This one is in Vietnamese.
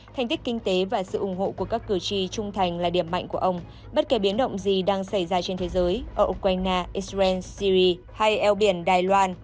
theo đó các cử tri sẽ cần đánh giá nhiều yếu tố